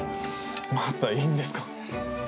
またいいんですか？